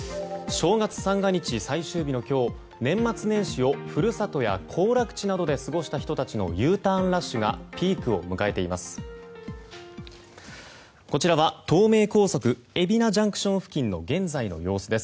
正月三が日最終日の今日年末年始をふるさとや行楽地で過ごした人たちのＵターンラッシュがピークを迎えています。